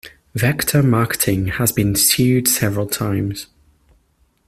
Vector Marketing has been sued several times.